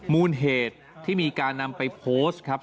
มูลเหตุที่มีการนำไปโพสต์ครับ